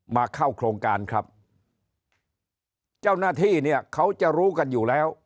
มาเข้าโครงการครับเจ้าหน้าที่เนี่ยเขาจะรู้กันอยู่แล้ว